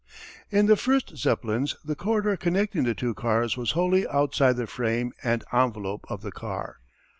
In the first Zeppelins, the corridor connecting the two cars was wholly outside the frame and envelope of the car.